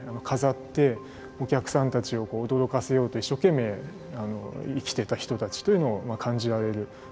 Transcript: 飾ってお客さんたちを驚かせようと一生懸命生きてた人たちというのを感じられる。